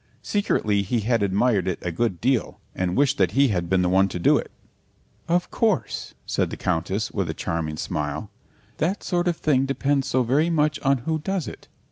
Secretly he had admired it a good deal and wished that he had been the one to do it. "Of course," said the Countess, with a charming smile, "that sort of thing depends so very much on who does it.